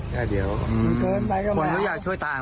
แค่เดี๋ยวคนที่อยากช่วยตาเขาสมสัตว์ตาไง